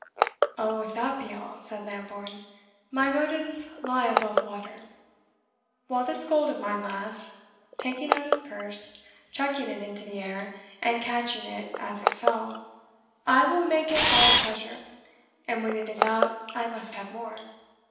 "Oh, if that be all," said Lambourne, "my motives lie above water. While this gold of mine lasts" taking out his purse, chucking it into the air, and catching it as it fell "I will make it buy pleasure; and when it is out I must have more.